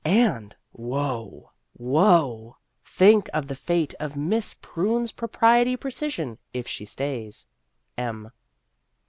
And woe, woe ! think of the fate of Miss Prunes Pro priety Precision, if she stays. M.